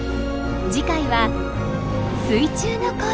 次回は「水中の恋」。